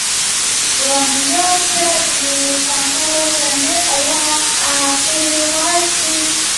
除了绘图之外有的以照片和文字说明呈现。